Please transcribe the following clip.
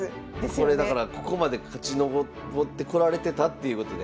これだからここまで勝ちのぼってこられてたっていうことで。